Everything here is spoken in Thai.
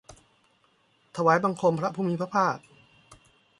ถวายบังคมพระผู้มีพระภาค